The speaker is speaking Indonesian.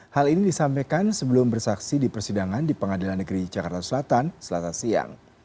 hal ini disampaikan sebelum bersaksi di persidangan di pengadilan negeri jakarta selatan selasa siang